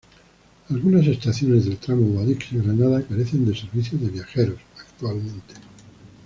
Algunas estaciones del tramo Guadix-Granada carecen de servicio de viajeros actualmente.